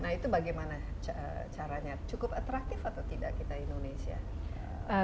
nah itu bagaimana caranya cukup atraktif atau tidak kita indonesia